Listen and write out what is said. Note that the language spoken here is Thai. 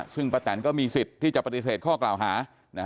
ซึ่งป้าแตนก็มีสิทธิ์ที่จะปฏิเสธข้อกล่าวหา